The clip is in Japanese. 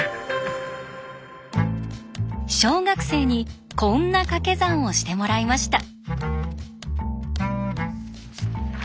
小学生にこんなかけ算をしてもらいました。